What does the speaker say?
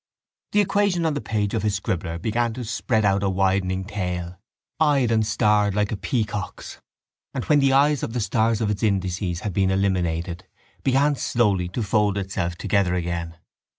The equation on the page of his scribbler began to spread out a widening tail, eyed and starred like a peacock's; and, when the eyes and stars of its indices had been eliminated, began slowly to fold itself together again.